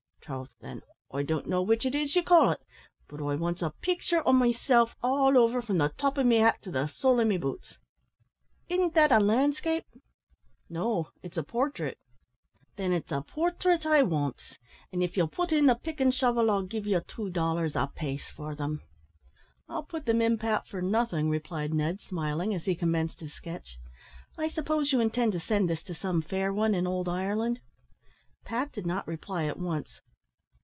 "Troth, then, I don't know which it is ye call it; but I wants a pictur' o' meself all over, from the top o' me hat to the sole o' me boots. Isn't that a lan'scape?" "No, it's a portrait." "Then it's a porthraite I wants; an' if ye'll put in the pick and shovel, I'll give ye two dollars a pace for them." "I'll put them in, Pat, for nothing," replied Ned, smiling, as he commenced his sketch. "I suppose you intend to send this to some fair one in old Ireland?" Pat did not reply at once.